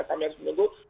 kami harus menunggu